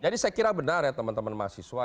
jadi saya kira benar ya teman teman mahasiswa